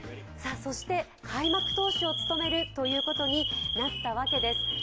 そして開幕投手を務めるということになったわけです。